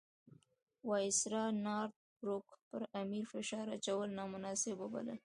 وایسرا نارت بروک پر امیر فشار اچول نامناسب وبلل.